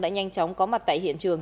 đã nhanh chóng có mặt tại hiện trường